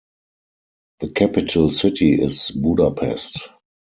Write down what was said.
The capital city is Budapest.